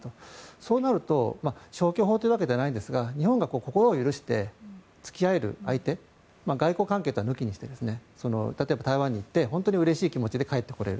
そうなると、消去法というわけではないんですが日本が心を許して付き合える相手外交関係を抜きにして例えば台湾に行って本当にうれしい気持ちで帰ってこれる。